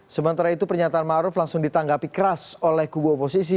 sementara itu pernyataan maruf langsung ditanggapi keras oleh kubu oposisi